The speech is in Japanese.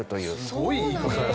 すごい言い方やな。